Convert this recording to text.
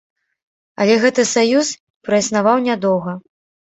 Але гэты саюз праіснаваў нядоўга.